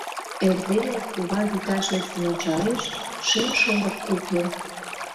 Эрдене кува вӱташ лектын ончалеш — шем шорык уке»...